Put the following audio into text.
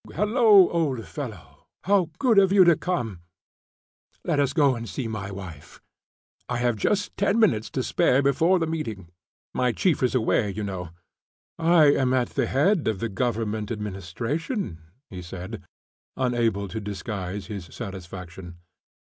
"Halloo, old fellow! How good of you to come! Let us go and see my wife. I have just ten minutes to spare before the meeting. My chief is away, you know. I am at the head of the Government administration," he said, unable to disguise his satisfaction.